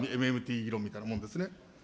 ＭＭＴ理論みたいなものですね。